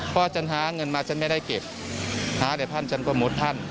เพราะฉันหาเงินมาฉันไม่ได้เก็บหาแต่ท่านฉันก็หมดท่าน